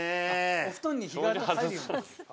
お布団に日が入るようにですか？